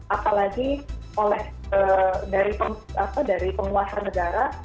apalagi oleh dari penguasa negara